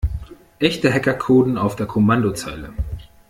Echte Hacker coden auf der Kommandozeile.